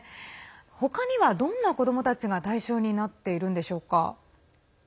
他には、どんな子どもたちが対象になっているんでしょうか？